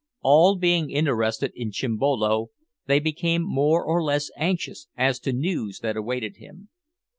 All being interested in Chimbolo, they became more or less anxious as to news that awaited him.